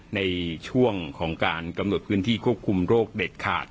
ในช่วงของการกำหนดพื้นที่ควบคุมโรคเด็ดขาด